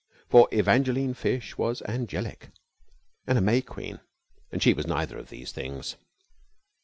For Evangeline Fish was "angelic" and a May Queen, and she was neither of these things.